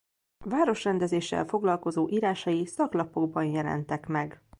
Városrendezéssel foglalkozó írásai szaklapokban jelentek meg.